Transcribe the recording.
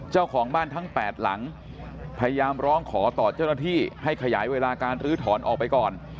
เจ้าของบ้านทั้ง๘หลังพยายามร้องขอต่อเจ้าหน้าที่ให้ขยายเวลาการลื้อถอนออกไปก่อน